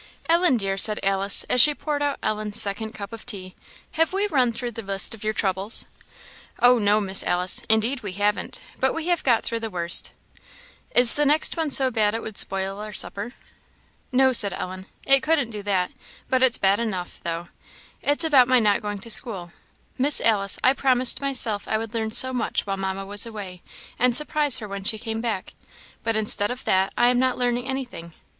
"Ellen dear," said Alice as she poured out Ellen's second cup of tea, "have we run through the list of your troubles?" "Oh, no, Miss Alice, indeed we haven't; but we have got through the worst." "Is the next one so bad it would spoil our supper?" "No," said Ellen, "it couldn't do that, but it's bad enough, though; it's about my not going to school. Miss Alice, I promised myself I would learn so much while Mamma was away, and surprise her when she came back, but instead of that I am not learning anything.